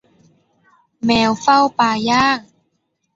แมวเฝ้าปลาย่าง